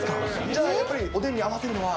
じゃあやっぱりおでんに合わせるのは。